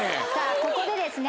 ここでですね